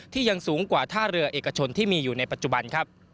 ยังสูงกว่าท่าเรือเอกชนที่มีอยู่ในปัจจุบันครับ